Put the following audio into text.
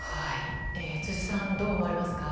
辻さん、どう思われますか。